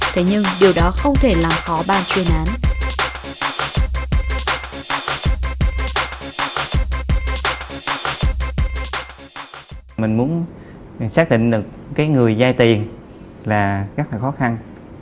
thế nhưng điều đó không thể làm khó ban chuyên án